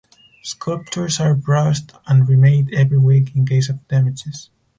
Sculptures are brushed and remade every week in case of damages.